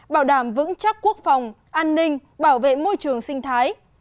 bảo đảm vững chắc quốc phòng an ninh bảo vệ môi trường sinh thái